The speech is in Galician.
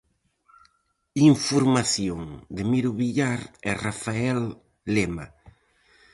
Información de Miro Villar e Rafael Lema.